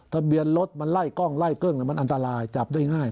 ทะเบียนรถมันไล่กล้องไล่กึ้งมันอันตรายจับได้ง่าย